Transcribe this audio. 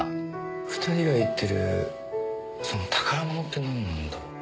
２人が言ってるその宝物ってなんなんだろう？